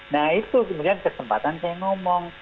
nah itu kemudian kesempatan saya ngomong